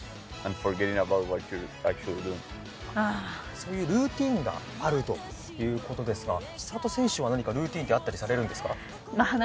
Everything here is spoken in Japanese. そういうルーティンがあるということですが千怜選手は何かルーティンってあったりされるんですか？